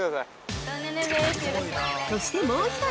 ◆そして、もう一人。